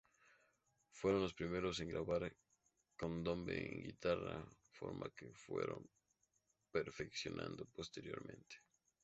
Fueron los primeros en grabar candombe en guitarra, forma que fueron perfeccionando posteriormente.